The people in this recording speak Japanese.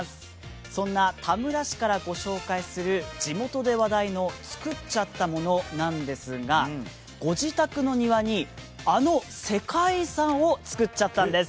そんな田村市からご紹介する地元で話題の作っちゃったものなんですがご自宅の庭にあの世界遺産を造っちゃったんです。